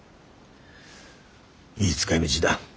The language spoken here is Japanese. いい使いみぢだ。